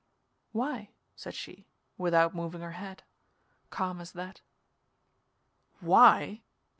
"Why?" said she, without moving her head calm as that. "_Why?